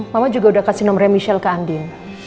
mama juga udah kasih nomornya michelle ke andien